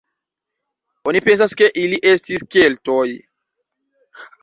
Oni pensas ke ili estis Keltoj.